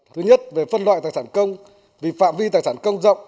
thứ nhất về phân loại tài sản công vì phạm vi tài sản công rộng